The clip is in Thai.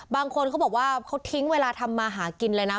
บางคนเขาบอกว่าเขาทิ้งเวลาทำมาหากินเลยนะ